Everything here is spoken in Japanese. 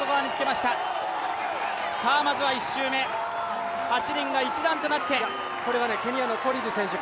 まずは１周目８人が一段となってケニアのコリル選手